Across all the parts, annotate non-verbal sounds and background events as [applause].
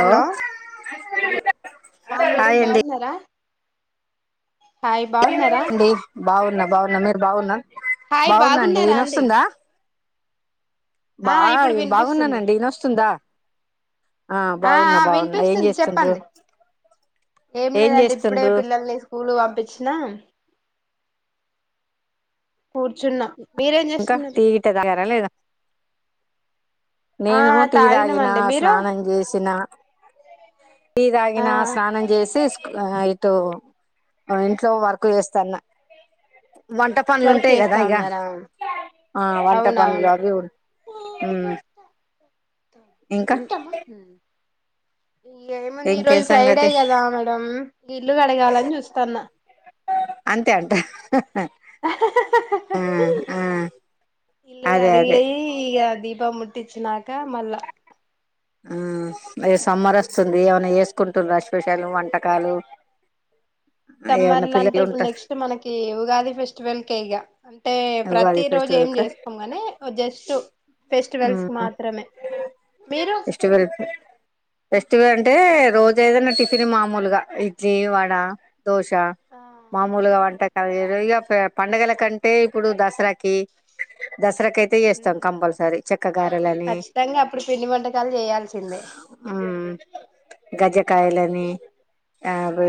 Hello ఆ madam hi అండి. బాగున్నారా హాయ్ బాగున్నారా బావున్న బావున్న మీరు బావున్నా హాయ్ బాగుందండి బాగున్నారా అండి వినస్తుందా బా ఆ ఇప్పుడు వినిపిస్తుంది బాగున్నానండి ఇనోస్తుందా ఆ ఆ ఏం వినిపిస్తుంది చేస్తుండ్రు చెప్పండి. ఏం లేదండి ఇప్పుడే పిల్లల్ని స్కూల్ పంపించినా కూర్చున్నా ఇంకా టీ గిట్ట దగార లేదా ఆ నేను టీ తాగిన తాగినమండి మీరు స్నానం చేసిన టీ ఆ తాగిన స్నానం చేసి స్ ఇటు ఇంట్లో వర్క్ చేస్తాన్న వంట పనులు వర్క్ ఉంటాయి కదా చేస్తా ఇగ ఉన్నారా ఆ వంట పనులు అవునవును అవి ఉ ఊ ఉత్తమ ఇగ ఏముంది ఈ ఇంకేం రోజు ఫ్రైడే సంగతి కదా మేడమ్ ఇల్లు కడగాలని చూస్తాన్న అంతే అంట ఆ ఆ అదే అదే పం ముట్టిచ్చినాక మళ్ళా ఆ ఏ సమ్మర్ వస్తుంది ఏమైనా చేసుకుంటున్నారా స్పెషల్ వంటకాలు ఏమన్నా సమ్మర్ల అంటే పిల్లలు ఉంట ఇప్పుడు నెక్స్ట్ మనకి ఉగాది ఫెస్టివల్కే ఇగా అంటే ప్రతి ఉగాది రోజు ఏం ఫెస్టివల్ కా చేసుకోం గానీ జస్ట్ ఫెస్టివల్స్కి ఉమ్ మాత్రమే మీరు ఫేస్ కు అంటే రోజు ఏదన్న టిఫ్ తిరీ మామూలుగా ఇడ్లీ వడ దోశ ఆ మామూలుగా వంట అది ఇగా పండుగల కంటే ఇప్పుడు దసరాకి దస రకైతే చేస్తాం కంపల్సరీ చెక్కగారలని ఖచ్చితంగా అప్పుడు పిండి వంటకాలు చేయాల్సిందే ఊ గజ్జకాయలని ఆ ఓ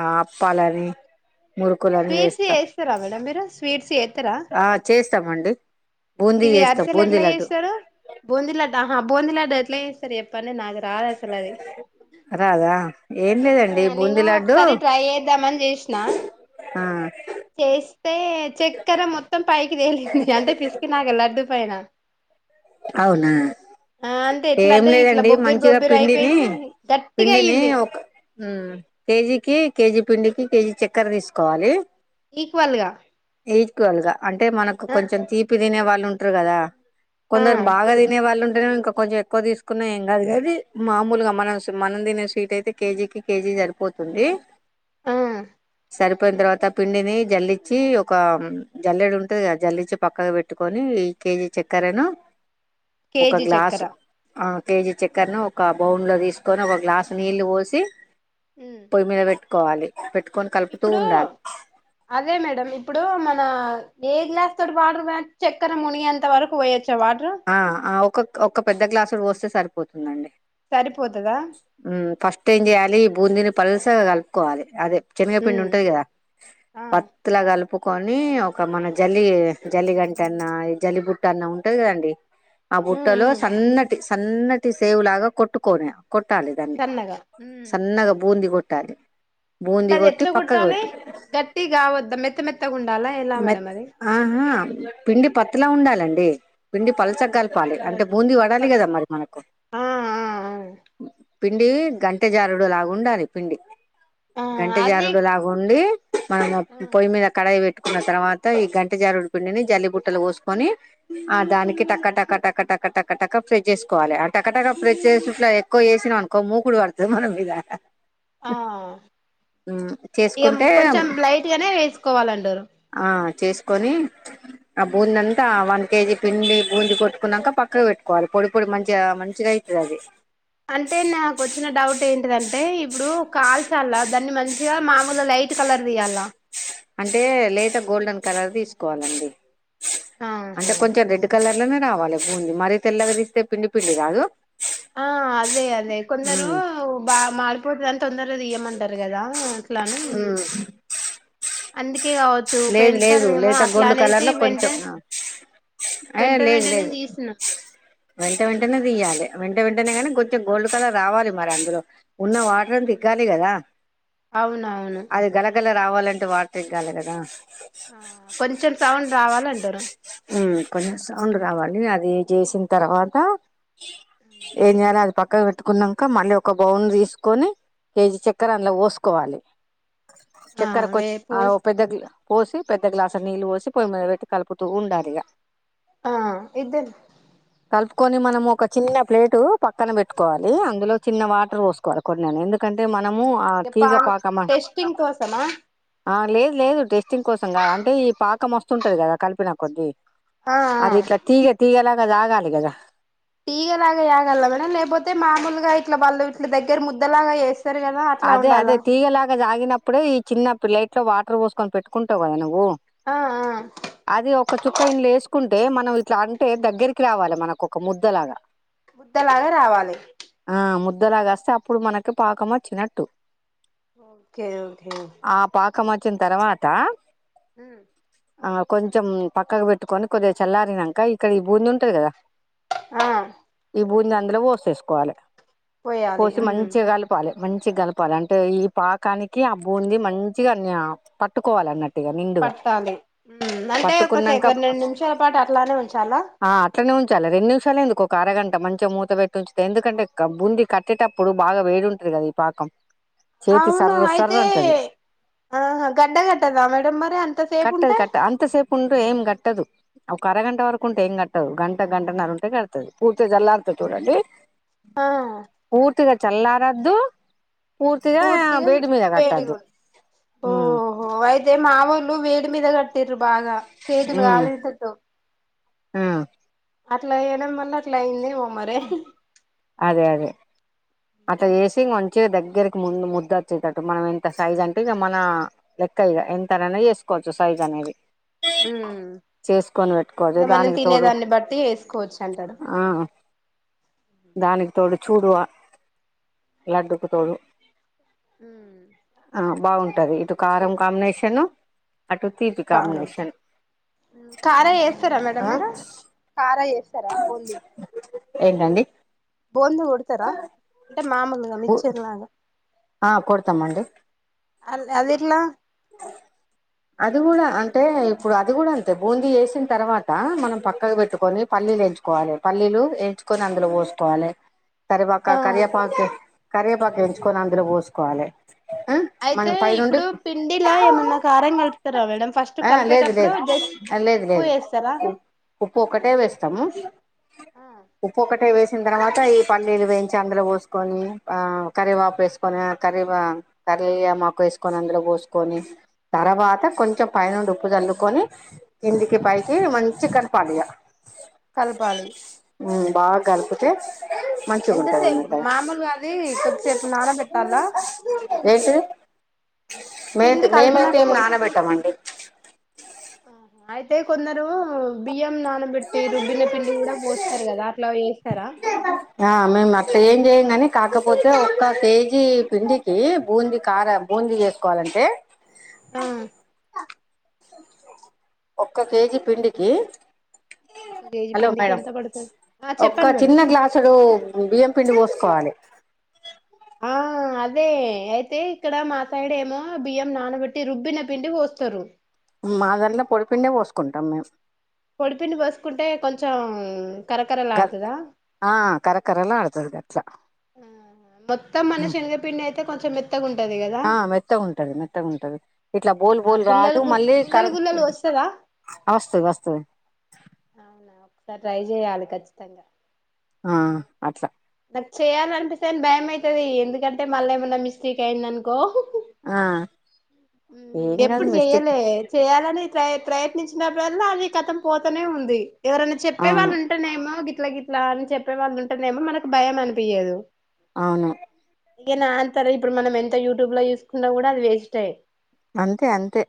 ఆ అప్పాలని మురుకులని స్వీట్స్ చేస్తాం చేస్తరా మేడం మీరు స్వీ ఆ చేస్తామండి బూందీ ఇది చేస్తాం అరిసెలు బూందీ ఎట్లా లడ్డు చేస్తారు బూందీ లడ్డు అ బూందీ లడ్డు ఎట్ల చేస్తారో చెప్పండి నాకు రాదు అసలది రాదా ఏం లేదండి నేను బూందీ లడ్డు ఒకసారి ట్రై చేద్దామని చేసిన ఆ చేస్తే చక్కెర మొత్తం పైకి తేలింది అంటే లడ్డు పైనా అవునా ఆ అంతే ఎట్లా ఏం అంటే ఇట్లా లేదండి బొబ్బిరి మంచిగా బొబ్బిరి పిండిని అయిపోయింది గట్టిగా అయింది ఉ కేజీకి కేజీ పిండికి కేజీ చక్కెర తీసుకోవాలి ఈక్వల్ గా ఈక్వల్ గా అంటే మనకు ఆ కొంచెం తీపి తినే వాళ్ళ ఉంటారు కదా ఆ కొందరు బాగా తినే వాళ్ళుంటే ప ఇంకా కొంచం ఎక్కువ తీసుకున్నా ఏం కాదు కాని మామూలుగా మనం మనం తినే స్వీట్ అయితే కేజీకి కేజీ సరిపోద్ది పోతుంది ఆ సరిపోయిన తర్వాత పిండిని జల్లి వచ్చి ఒక జల్లెడు ఉంటదిద జల్లిచ్చి పక్కగా పెట్టుకొని ఈ కేజీ చక్కెరను ఒక కేజీ గ్లాస్ చక్కెర ఆ పేజీ చక్కర్ను ఒక బౌన్ లో తీసుకొని ఒక గ్లాసు నీళ్ళు పోసి ఉమ్ పొయ్యి మీద పెట్ కోవాలి ఇప్పుడు అదే మేడం ఇప్పు ఇప్పుడు మన ఏ గ్లాస్ తోటి వాటర్ చక్కర మునిగేంత వరకు పోయొచ్చు ఆ ఆ ఒకొక్క ఒక్క పెద్ద గ్లాస్ ఇడు వస్తే సరిపోతుందండి సరిపో పోతదా ఉమ్, ఫస్ట్ ఏం జేయాలి బూందీని పలసగా కలుపుకోవాలి అదే శనగ పిండి ఉమ్ ఉంటది కదా ఆ పత్తు లాగా కలుపు కొని ఒక మన జల్లి జల్లి గంట అన్న ఈ జల్లి బుట్ట అన్నా ఉంటది కదండి ఆ ఉమ్ బుట్టలో ఉమ్ సన్నటి సన్నటి సేవులాగా కొట్టుకొని కొట్టాళి దాన్ని సన్నగా ఉమ్ సన్నగా బూంది కొట్టి ట్టదు అంటే బూంది అది ఎట్లు కొట్టాలి గట్టి కావద్ద మెత్త మెత్తగా ఉండాలల మ ఆహా పిండి ప ఎట్లా ఉండాలండి పిండి పలచగ్గలపాలి అంటే బూందీ పడాలి కదా మరి మనకు ఆ పిండి గంటె జారుడు లాగా ఉండాలి పిండి ఆ ఆ గంటె అది జారుడు లాగుండి మన పొయ్య మీద కడయి పెట్ ట్టిన తర్వాత ఈ గంటె జారుడి పిండిని జల్లిబుట్టలొ పోసుకొని ఆ దానికి టక్క టక్క టక్క టక్క టక్క టక్క ఫ్రజ్ చేసుకోవాలి అ టకటక ప్రెస్చ చేసి ఇట్ల ఎక్కువ ఏసినావనుకొ మూకుడు పడుతుంది మన మీద ఆ ఇక చేసుకుంటే కొంచెం లైట్ గానే వేసుకోవాల [unintelligible] ఆ చేసుకొని ఆ బూంద అంతా వన్ కేజీ పిండి బూంది కొట్టుకున్నాక పక్కకు పెట్టుకోవాలి పొడి పొడి మంచిగా మంచిగా అయితది అది అంటే నాకు వచ్చిన డౌట్ ఏంటిదంటే ఇప్పుడు కాల్చాలా దాన్ని మంచిగా మామూలు లైట్ కలర్ తీయాలన అంటే లేత గోల్డెన్ కలర్ తీసుకోవాలండి అంటే ఆహా కొంచెం రెడ్ కలర్ తెల్లనే రావాలి బూంది మరి తెల్లగ తీస్తే పిండి పిండి రాదు ఆ అదె అదే కొందరు ఉమ్ బబా మాడిపోతదని తొందర తియ్యమంటారు కదా అట్లానీ అందు లేదు లేదు లేత గోల్డ్ అనేసి కలర్లో వెంట కొంచెం అ వెంట లేదు వెంటనే లేదు తీసినం వెంట వెంటనే తియ్యాలె వెంట వెంటనే గానీ కొంచెం గోల్డ్ కలర్ రావాలి మరి అందులో ఉన్న వాటర్ ను తిగాలి కదా అవునవును అది గల గల రావాలంటే [unintelligible] లి కదా కొంచెం సౌండ్ రావాలంటారు అ అది చేసిన తర్వాత ఏంచేయాలి అది పక్కన పెట్టుకున్నాక మళ్ళీ ఒక బౌన్ తీసుకొని కేజీ చక్కెర అందులో పోసుకోవాలి ఆ చక్కరకు ఆ వేపు ఆ పెద్దగ్లాస్ పోసి పెద్ద గ్లాసు నీళ్ళు పోసి పొయ్యి మీద పెట్టి కలుపుతూ ఉండాలి ఇక ఆ ఇద్దను కలుపుకొని మనం ఒక చిన్న ప్లేటు పక్కన పెట్టుకోవాలి అందులో చిన్న వాటర్ పోసుకోవాలి కొన్ని ఇన్ని ఎందుకంటే మన [unintelligible] టెస్టింగ్ కోసనా ఆ లేదు లేదు టస్ట్ టెస్టింగ్ కోసం కాదు అంటే ఈ పాకం వస్తుంటది కదా కలిపిన కొద్దీ అది ఇట్లా తీగ తీగలా ఇంకా తాగాలి గదా. టీగలాగా తాగల మేడం లేకపోతే మామూలుగా ఇట్లా బళ్ళు. దగ్గర ముద్దలాగా చేస్. అదే అదే తీగలగా సాగినప్పుడే ఈ చిన్న ప్లేట్. ఇట్లా వాటర్ పోసుకొని పెట్టుకుంటావు కదా నువ్వు. ఆహ్. ఒక్క ఇండ్లెసుకుంటే మనం ఇట్లా అంటే దగ్గరికి రావాలి మనకు ఒక ముద్దలాగా. ముద్దలాగా రావాలి. దరగాస్తే అప్పుడు మనకి పాకం వచ్చినట్. టూ. Okay okay. కం వచ్చిన తర్వాత. ఉమ్ ఆహ్ కొంచెం పక్కకు పెట్టుకొని కొద్దిగా చల్లారినంక ఇక్కడ ఈ బూందీ ఉంటది కదా. ఆహ్. ఇంగ అందులో పోసేసుకోవాలి. పోయాలి పోసి ఉమ్ మంచిగా కలపాలే. మంచ్ మంచిగలపాలి అంటే ఈ పాకానికి ఆ బూంది మంచిగా అన్ని పట్టుకోవాలి అన్నట్టు. నిండుగా పట్టాలి ఉమ్ అంటే ఒక పట్టుకున్నాంక సెకండ్ రెండు నిమిషాల పాటు అట్లానే ఉంచాలా ఆహ్ అట్లనే ఉంచాలి. రెండు నిమిషాలే ఎందుకు అరగంట మంచిగా మూత పెట్టి ఉంచితే ఎందుకంటే ఆ బుంది కట్టేటప్పుడు బాగా వేడి ఉంటది కదా. పాకం చేతి అవును సర్ర సర్ర అయితే అంటది ఆహ్ గడ్డగట్టాదా మేడమ్ మరి అంతసేపు కట్టదు ఉంటే. కట్ట అంతసేపు ఉంటే ఏం కట్టదు ఒక అరగంట వరకు ఉంటే ఏం కట్టదు. గంట గంటన్నర ఉంటే కడతది పూర్తిగా చల్లారుతది చూడండి. ఆహ్ పూర్తిగా చల్లారోద్దు. కట్టద్దు ఓహో అయితే మావోలు వేడ్ వేడి మీద కట్టిండ్రు. బాగా చేతులు కాలిసెట్. ఆహ్ అట్లా అయ్యడం వల్ల అట్లా అయిందెమో మరి. అదే అదే. అట్లా చేసి మంచిగా దగ్గరికి ముందు ముద్ద వచ్చేటట్టు మనం ఎంత సైజ్ అంటే ఇగ మన లెక్క ఇగ ఎంతనన్న చేసుకోవచ్చు సైజ్ అనేది. ఉమ్ చేసుకొని పెట్టుకోవచ్చు ఇంకా మనం దానికి తోడు తినేదాన్ని బట్టి చేసుకోవచ్చు అంటారు. ఆ దానికి తోడు చూడువా లడ్డుకు తోడు. ఆహ్. బాగుంటది ఇటు కారం కాంబినేషను కారం కారా చేస్తారా మేడం ఆ మీరు కారా చేస్త ఏంటండి ఇచ్చేరా అంటే మామూలుగా మిచ్చర్లాగా ఆ కొడతామండి అల్ అదెట్ల ఆ అది కూడా అంటే ఇప్పుడు అది కూడా అంతే బూందీ వేసిన తర్వాత మనం పక్కకు పెట్టుకొని పల్లీలు ఎయించుకోవాలి పల్లీలు ఎంచుకొని అందులో పోసుకోవాలె కరిపాకా ఆ కరేపాకు కరేపాకెంచుకొని అందులో బోసుకోవాలె అయితే ఇప్పుడు పిండిలా ఏమన్నా కారం కలపు ఆ లేదు లేదు ఆలేదు ఉప్పు లేదు వేస్తారా ఉప్ ఉప్పు ఒకటే వేస్తాము ఉప్పు ఒక టే వేసిన తర్వాత ఈ పల్లీలు వేయించి అందులో పోసుకొని ఆ కరేవాపు వేసుకొని ఆ కరేవ కరేమాకు వేసుకొని అందులో పోసుకొని తర్వా త కొంచెం పైనుండి ఉప్పు చల్లుకొని కింది పైకి మంచి కలపాలియ, కలపాలి హ్మ్ బాగ్ గలుపు జెస్ ఎంతసేప్ మామూలుగాది కొద్దిసేపు నానబెట్టాలా మేతి పిండి మేమైతె కలిపినాక కొ నానబెట్ కమండర్ అయితే కొందరు బియ్యం నానబెట్టి రుబ్బిన పిండి కూడా పోస్తారు కదా అట్లా వే స్తారా ఆ మేము అట్ట ఏం చెయ్యం కానీ కాకపోతే ఒక్క కేేజీ పిండికి బూందీ కార బూందీ చేసుకోవాలంటే ఆ ఒక్క కేజీ పిండికి ఒక కేజీ హలో పిండికి మేడం ఎంత పడతది, ఆ చెప్పండి మేడం ఓ బియ్యం పిండి పోసుకోవాలి ఆ అదే అయితే ఇక్కడ మా సైడేమో బియ్యం నానబెట్టి రుబ్బిన పిండి పోస్తారు మాధల్లో పొడిపిండే పోసుకుంటాం మేము పొడిపిండి పోసుకుంటే కొంచెం కర కరకరలాడుతదా ఆ కరకరలాడ్ తది గా హ్మ్ మొత్తం మన శనగపిండి అయితే కొంచెం మేత్ ఆ మెత్తగుంటది మెత్తగుంటది ఇట్లా బోలు ఆ బోలు గుల్లలు గాదు గు మళ్ళీ కర గుల్లలు గుల్లలు వస్తదా వస్తది వస్తది అవునా ఒకసారి ట్రై చేయాలి ఖచ్చితంగా ఆ అట్ల చేయాలనిపిస్తని భయం అయితది ఎందుకంటే మళ్ళ ఏమన్నా మిస్టేక్ అయింద నుకో ఆ ఉ ఏం కాదు ఎప్పుడు మిస్టేక్ చెయ్యలే చెయాల ప్ర ప్రయత్నించినప్పుడల్ల అ కథం పోతనే ఉంది ఎవరైనా చెప్పే అవును వాళ్ళు ఉంటేనేమో ఇట్లా గిట్లా అని చెప్పే వాళ్ళు ఉంటేనేమో మనకు భయం అనిపియదు అవును ఇయనాన్తార ఇప్పుడు మనం ఎంత యూట్యూబ్ లో చూసుకున్నా కూడా అది వేస్ట్ ఏ అంతే అంతే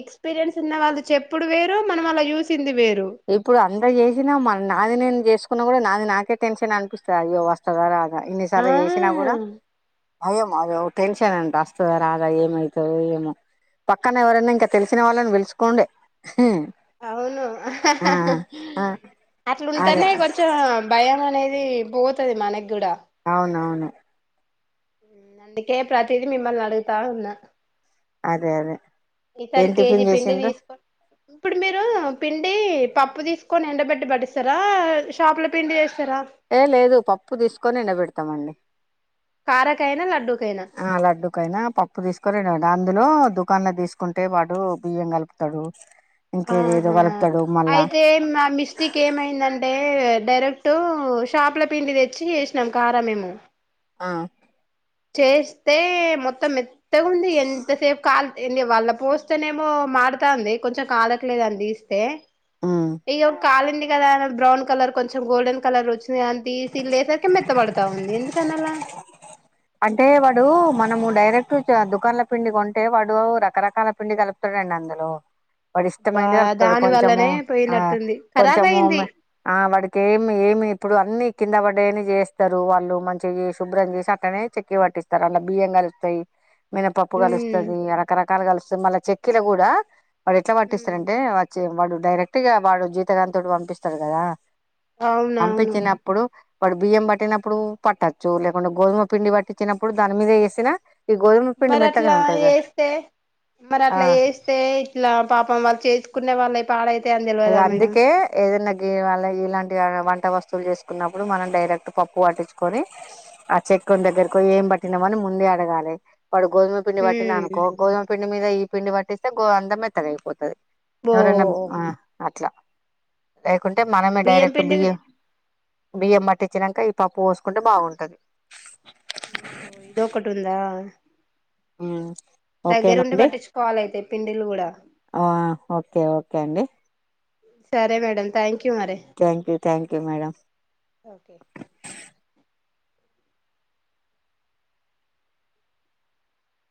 ఎక్స్పీరియన్స్ ఉన్న వాళ్ళు చెప్పుడు వేరు మనం వాళ్ళ యూసింది వేరు ఇప్పుడు అంత చేసినా మన నాది నేను చేసు కున్నా కూడా నాది నాకే టెన్షన్ అనిపిస్తది అయ్యో వస్తుందా రాదా ఆ ఇన్నిసార్లు చేసినా కూడా అయ్యో అద టెన్షన్ అంటే వస్తదా రాదా ఏమవుతదో ఏమో పక్కన ఎవరైనా ఇంకా తెలిసిన వాళ్ళని వెలుసుకోండే అవును ఆ, అదే అట్లుంటేనే కొంచం భయం అనేది అదీ పోతది మనగ్గూడ అవునవును అందుకే ప్రతిదీ మిమ్మల్ని అడుగుతూ ఉన్న అదే అదే ఈసారి ఏం కేజీ టిఫిన్ పిండి చేసిండ్రు తీసుకో ఇప్పుడు మీరు పిండి పప్పు తీసుకొని ఎండబెట్టి పడిస్తారా షాపుల పిండి చేస్ ఏ లేదు పప్పు తీసుకొని ఎండబెడతామండి కారకైనా లడ్డూకైనా ఆ లడ్డుకైనా పప్పు తీసుకొని దాన్ని అందులో దుకాన్ లో తీసుకుంటే వాడు బియ్యం కలుపుతాడు ఇంకేదేదో ఆహా కలుపుతాడు మళ్ళా అయితే మా మిస్టేక్ ఏమైందంటే డైరెక్టు షాప్ల పిండి తెచ్చి చేసినాం కారా మేము ఆ చేస్తే మొత్తం మెత్తగా ఉంది ఎంతసేపు కల్ వాళ్ళ పోస్తేనేమో మాడుతాంది కొంచెం కాలట్లేదని తీస్తే ఉమ్. ఇ కాలండి కదా బ్రౌన్ కలర్ కొంచెం గోల్డన్ కలర్ వచ్చంది అని తీసిీల్ లేసరికి మెత్త పడతాం అవుంది ఎందుకనలా అంటే వాడు మనము డైరెక్ట్ దుకాన్ల పిండి కొంటే వాడు రకరకాల పిండి కలుపుతాడండి అందులో వాడి బా ఇష్టమైంది కలుపుతాడు దాని కొంచెము వల్లనే ఆ పోయినట్టుంది ఖరాబ్ అయింది కొంచముమే ఆ వాడికి ఏమి ఏమి ఇప్పుడు అన్ని కింద పడేని చేస్తారు వాళ్ళు మంచిగా శుభ్రం చేసి అట్నే చెక్కి పట్టిస్తారు అల్ల బియ్యం కలుస్తాయి మినపప్పు కలుస్తుంది ఉమ్ రకరకాలు కలుస్తుంది మళ్ళా చెట్ కిల కూడాూ వాడు ఎట్లా వాటిస్తారంటే వా చే వాడు డైరెక్ట్ గా వాడు జీతగంటోటి పంపిస్తారు కదా అవునవును పంపించినప్పుడు వాడు బియ్యం పట్టినప్పుడు పట్టచ్చు లేకుంటడా గోధుమ పిండి పట్టి ఇచ్చినప్పుడు దాని మీద వేసినా మరి అట్లా వస్తే మరి అట్లా ఆ చేస్తే ఇట్లా పాపం వాళ్ళు చేసు కునే వాళ్ళయి పాడైతే అందుకే ఏదన్నా గి వాళ్ళ ఇలాంటి వంట వస్తువులు చేసుకున్నప్పుడు మనం డైరెక్ట్ పప్పు పట్టించుకొని ఆ చెక్కో ని దగ్గరకి ఏం పట్టినావు అని ముందే అడగాలే వాడు గోధుమ పిండి వట్టిన ఉమ్ అనుకో గోధుమ పండి మీద ఈ పిండి పట్టిస్తే గోఅంత మెత్తగా అయిపోతాది బో ఎవరన్న ఆ అట్లా లేకుంటే మనమే డైరెక్ట్ బియ్యం బియ్యం పట్టిచ్చినాక ఈ పప్పు పోసుకుంటే బాగుంటది ఓహో ఇదోకటి ఉందా ఉ దగ్గరుండి ఓకేనండి పట్టించుకోవాలయితే పిండిలు కూడా ఆ ఓకే ఓకే అండి సరే మేడం థ్యాంక్ యూ మరి thank you thank you madam okay